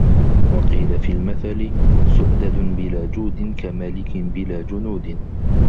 وَقِيلَ فِي الْمَثْلِ سُؤْدُدٌ بِلَا جُودٍ ، كَمَلِكٍ بِلَا جُنُودٍ